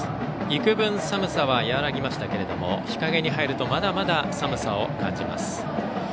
幾分、寒さは和らぎましたけども日陰に入るとまだまだ寒さを感じます。